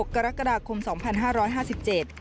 ๖กรกฎาคมครับ